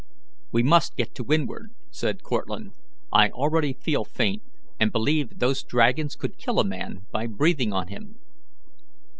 "We must get to windward," said Cortlandt. "I already feel faint, and believe those dragons could kill a man by breathing on him."